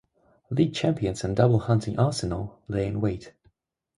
League champions and double hunting Arsenal lay in wait.